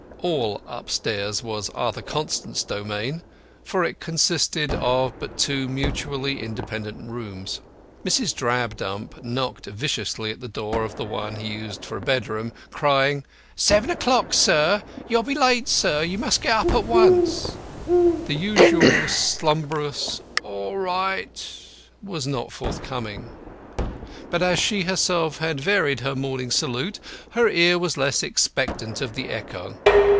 All "upstairs" was Arthur Constant's domain, for it consisted of but two mutually independent rooms. Mrs. Drabdump knocked viciously at the door of the one he used for a bedroom, crying, "Seven o'clock, sir. You'll be late, sir. You must get up at once." The usual slumbrous "All right" was not forthcoming; but, as she herself had varied her morning salute, her ear was less expectant of the echo.